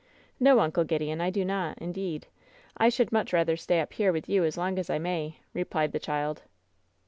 "No, Uncle Gideon, I do not, indeed. I should much rather stay up here with you as long as I may," replied the child.